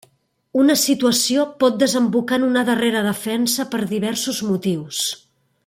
Una situació pot desembocar en una darrera defensa per diversos motius.